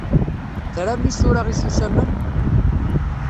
Tram isura isusamen?